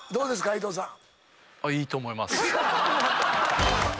伊藤さん。